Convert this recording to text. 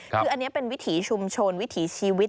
คืออันนี้เป็นวิถีชุมชนวิถีชีวิต